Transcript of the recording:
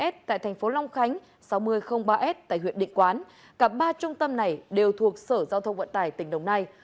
sáu nghìn hai s tại tp long khánh sáu nghìn ba s tại huyện định quán cả ba trung tâm này đều thuộc sở giao thông vận tải tỉnh đồng nai